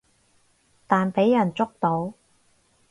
但畀人捉到